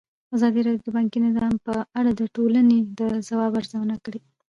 ازادي راډیو د بانکي نظام په اړه د ټولنې د ځواب ارزونه کړې.